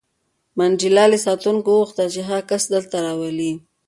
منډېلا له ساتونکي وغوښتل چې هغه کس دلته راولي.